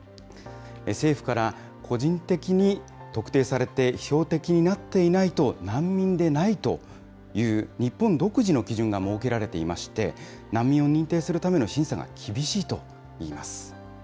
政府から個人的に特定されて、標的になっていないと難民でないという、日本独自の基準が設けられていまして、難民を認定するための審査が厳しいといいます。